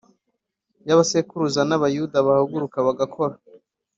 yabasekuruza nabayuda bahaguruka bagakora